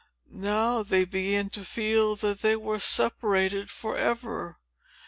Now, they began to feel that they were separated forever.